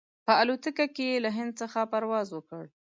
په الوتکه کې یې له هند څخه پرواز وکړ.